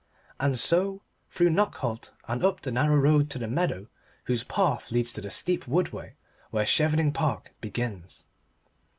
And so through Knockholt, and up the narrow road to the meadow whose path leads to the steep wood way where Chevening Park begins.